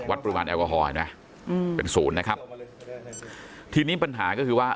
ปริมาณแอลกอฮอลเห็นไหมอืมเป็นศูนย์นะครับทีนี้ปัญหาก็คือว่า